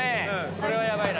これはヤバいな。